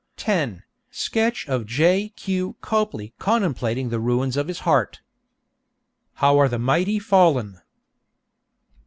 10. Sketch of J. Q. Copley contemplating the ruins of his heart. 'How are the mighty fallen!'